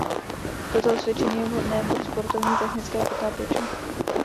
Toto osvědčení je vhodné pro sportovní i technické potápěče.